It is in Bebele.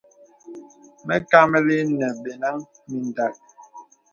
Məkàməlì nə̀ bə̀nəŋ mindàk.